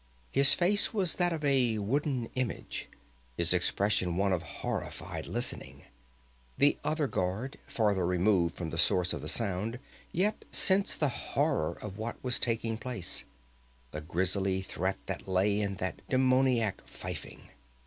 His face was that of a wooden image, his expression one of horrified listening. The other guard, farther removed from the source of the sound, yet sensed the horror of what was taking place, the grisly threat that lay in that demoniac fifing.